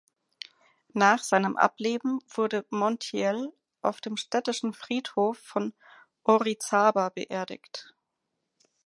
Nach seinem Ableben wurde Montiel auf dem Städtischen Friedhof von Orizaba beerdigt.